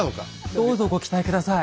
どうぞご期待下さい。